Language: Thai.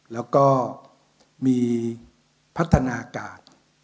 แล้วก็มีพัฒนากาศ